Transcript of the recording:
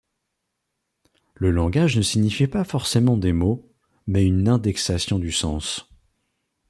Le langage ne signifie pas forcément des mots, mais une indexation du sens.